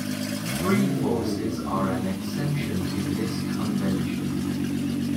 Three forces are an exception to this convention.